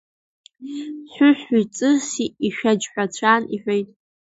Ҳәыҳәи ҵыси ишәаџьҳәацәан, – иҳәеит…